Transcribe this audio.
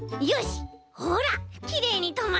ほらきれいにとまったよ。